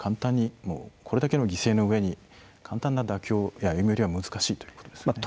これだけの犠牲の上に簡単な妥協や歩みよりは難しいということですね。